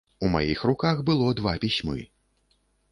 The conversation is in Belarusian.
У маіх руках было два пісьмы.